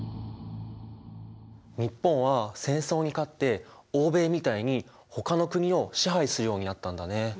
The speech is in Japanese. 日本は戦争に勝って欧米みたいにほかの国を支配するようになったんだね。